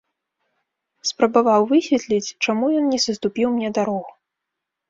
Спрабаваў высветліць, чаму ён не саступіў мне дарогу.